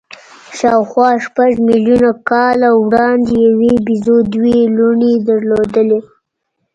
شاوخوا شپږ میلیونه کاله وړاندې یوې بیزو دوې لوڼې درلودې.